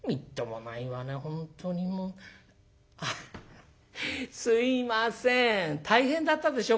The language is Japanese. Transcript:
あすいません大変だったでしょ